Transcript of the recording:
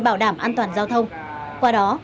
bảo đảm an toàn giao thông qua đó